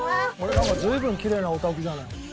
なんか随分きれいなお宅じゃない。